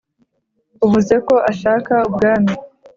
uvuze ko ashaka ubwami,